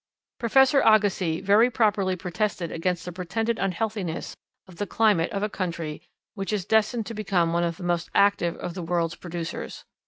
Professor Agassiz very properly protested against the pretended unhealthiness of the climate of a country which is destined to become one of the most active of the world's producers.